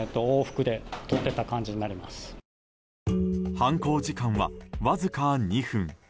犯行時間はわずか２分。